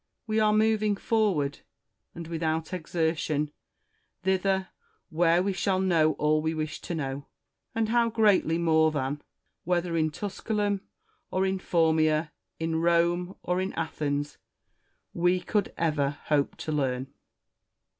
We are moving forward and witliout exertion, thither where we shall know all we wish to know ; and how greatly more than, whether in Tusculum or in Forraice, in Rome or in Athens, we could ever hope to learn